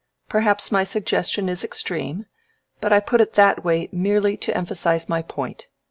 "Perhaps my suggestion is extreme, but I put it that way merely to emphasize my point.